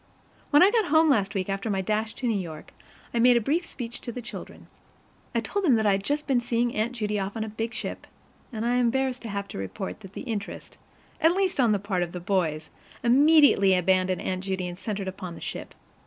When I got home last week, after my dash to New York, I made a brief speech to the children. I told them that I had just been seeing Aunt Judy off on a big ship, and I am embarrassed to have to report that the interest at least on the part of the boys immediately abandoned Aunt Judy and centered upon the ship.